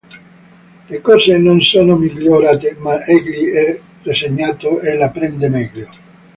Le cose non sono migliorate, ma egli è rassegnato e la prende meglio".